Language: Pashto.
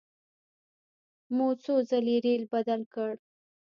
مو څو ځلې ریل بدل کړ.